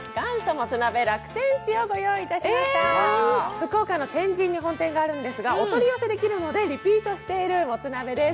福岡の天神に本店があるんですがお取り寄せできるのでリピートしているもつ鍋です。